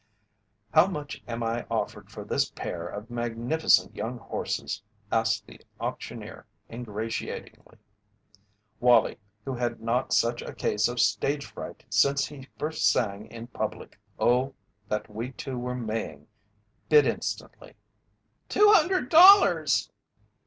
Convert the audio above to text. "How much am I offered for this pair of magnificent young horses?" asked the auctioneer, ingratiatingly. Wallie, who had not such a case of stage fright since he first sang in public "Oh, that we two were Maying," bid instantly: "Two hundred dollars!"